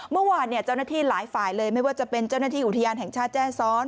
เมื่อวานเจ้าหน้าที่หลายฝ่ายเลยไม่ว่าจะเป็นเจ้าหน้าที่อุทยานแห่งชาติแจ้ซ้อน